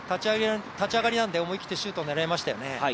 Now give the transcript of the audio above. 立ち上がりなんで、思い切ってシュートを狙いましたよね。